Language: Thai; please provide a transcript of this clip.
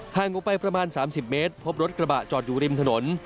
ห่างออกไปประมาณสามสิบเมตรพบรถกระบะจอดอยู่ริมถนน